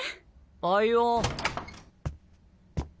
あいよ。